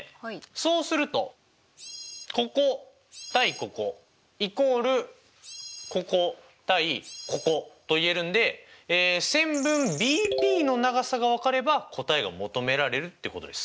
そうするとここ対ここイコールここ対ここといえるんで線分ＢＰの長さが分かれば答えが求められるってことです。